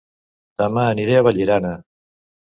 Dema aniré a Vallirana